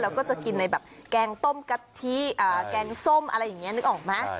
แล้วก็จะกินในแบบแกงต้มกะทิแกงส้มอะไรอย่างนี้นึกออกไหม